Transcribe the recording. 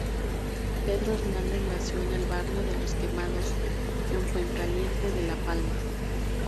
Pedro Hernández nació en el barrio de Los Quemados, en Fuencaliente de La Palma.